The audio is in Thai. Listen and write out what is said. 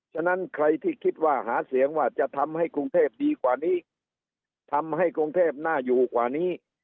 ฉะนั้นใครที่คิดว่าหาเสียงว่าจะทำให้กรุงเทพดีกว่านี้ทำให้กรุงเทพน่าอยู่กว่านี้